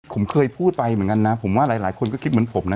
ผมเคยพูดไปเหมือนกันนะผมว่าหลายคนก็คิดเหมือนผมนะ